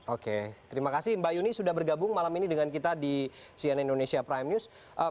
oke terima kasih mbak yuni sudah bergabung malam ini dengan kita di cnn indonesia prime news